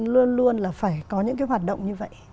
luôn luôn là phải có những cái hoạt động như vậy